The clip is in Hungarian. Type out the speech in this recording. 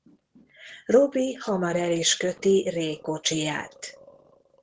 Robbie hamar el is köti Ray kocsiját.